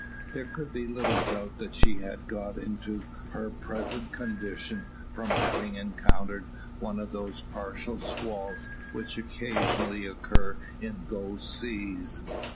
There could be little doubt that she had got into her present condition from having encountered one of those partial squalls which occasionally occur in those seas.